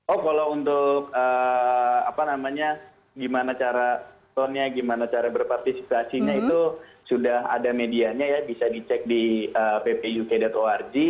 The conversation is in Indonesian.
oh kalau untuk gimana cara tonnya gimana cara berpartisipasinya itu sudah ada medianya ya bisa dicek di ppiuk org